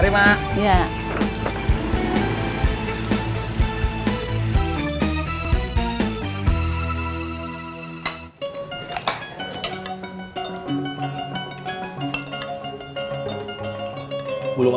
ada yang kangen berarti performeda